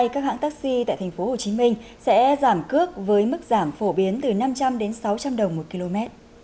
các hãng taxi tại tp hcm sẽ giảm cước với mức giảm phổ biến từ năm trăm linh đến sáu trăm linh đồng một km